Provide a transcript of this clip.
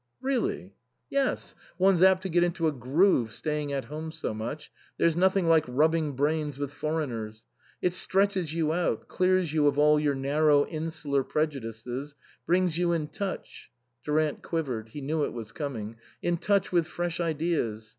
"Really?" " Yes. One's apt to get into a groove staying at home so much. There's nothing like rubbing brains with foreigners. It stretches you out, clears you of all your narrow insular prejudices, brings you in touch " Durant quivered ; he knew it was coming " in touch with fresh ideas.